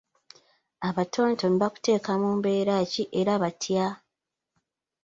Abatontomi bakuteeka mu mbeera ki era batya?